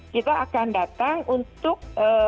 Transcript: kita akan datang untuk